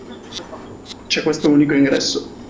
C'è questo unico ingresso.